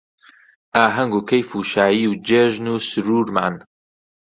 ئاهەنگ و کەیف و شایی و جێژن و سروورمان